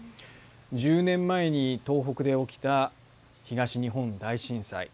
１０年前に東北で起きた東日本大震災。